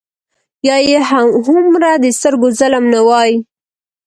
یا یې هومره د سترګو ظلم نه وای.